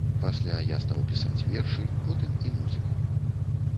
Пасля я стаў пісаць вершы, потым і музыку.